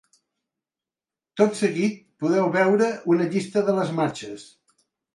Tot seguit podeu veure una llista de les marxes.